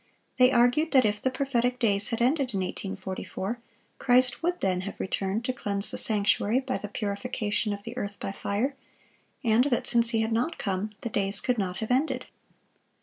They argued that if the prophetic days had ended in 1844, Christ would then have returned to cleanse the sanctuary by the purification of the earth by fire; and that since He had not come, the days could not have ended.